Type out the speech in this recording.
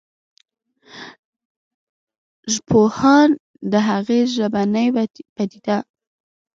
ژبپوهان د هغه ژبنې پديده